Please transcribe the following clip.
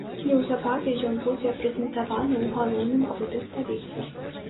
Неўзабаве ён будзе прэзентаваны ў галоўным клубе сталіцы.